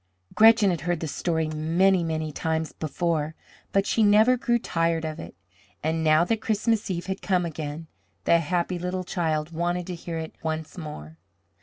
Gretchen had heard the story many, many times before, but she never grew tired of it, and now that Christmas Eve had come again, the happy little child wanted to hear it once more.